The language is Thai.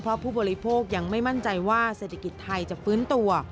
เพราะผู้บริโภคยังไม่มั่นใจว่าเศรษฐกิจไทยจะฟื้นตัว